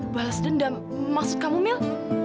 balas dendam maksud kamu mil